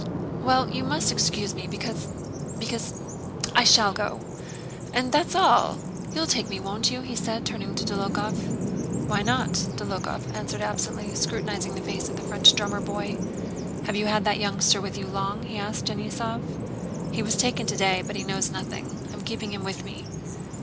"Well, you must excuse me, because... because... I shall go, and that's all. You'll take me, won't you?" he said, turning to Dólokhov. "Why not?" Dólokhov answered absently, scrutinizing the face of the French drummer boy. "Have you had that youngster with you long?" he asked Denísov. "He was taken today but he knows nothing. I'm keeping him with me."